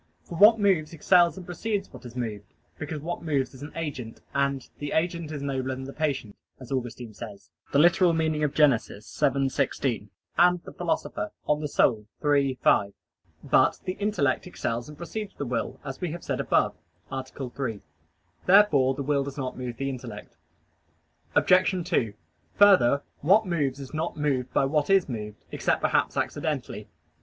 For what moves excels and precedes what is moved, because what moves is an agent, and "the agent is nobler than the patient," as Augustine says (Gen. ad lit. xii, 16), and the Philosopher (De Anima iii, 5). But the intellect excels and precedes the will, as we have said above (A. 3). Therefore the will does not move the intellect. Obj. 2: Further, what moves is not moved by what is moved, except perhaps accidentally.